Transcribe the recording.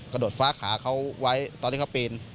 ดฟ้าขาเขาไว้ตอนที่เขาปีน